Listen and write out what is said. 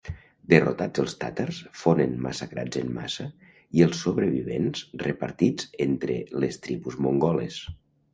Derrotats els tàtars fonen massacrats en massa i els sobrevivents repartits entre les tribus mongoles.